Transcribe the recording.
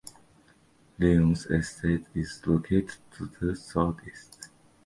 Lyons Estate is located to the southeast.